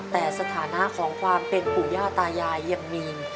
แต่สถานะของความเป็นปู่ย่าตายายยังมี